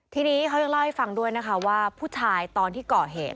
ทีนี้เขายังเล่าให้ฟังด้วยนะคะว่าผู้ชายตอนที่ก่อเหตุ